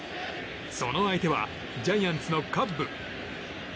その相手はジャイアンツのカッブ。